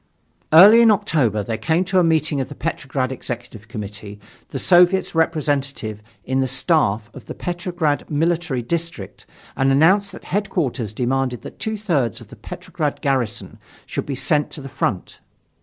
Early in October there came to a meeting of the Petrograd Executive Committee, the Soviet's representative in the staff of the Petrograd Military District and announced that Headquarters demanded that two thirds of the Petrograd garrison should be sent to the front.